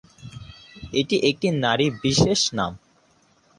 এটি একটি নারী বিশেষ নাম।